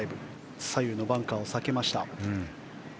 左右のバンカーを避けました平田。